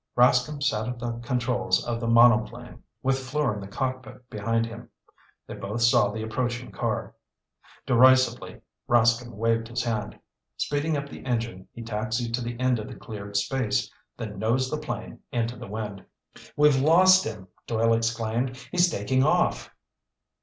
Rascomb sat at the controls of the monoplane, with Fleur in the cockpit behind him. They both saw the approaching car. Derisively, Rascomb waved his hand. Speeding up the engine, he taxied to the end of the cleared space, then nosed the plane into the wind. "We've lost him," Doyle exclaimed. "He's taking off!"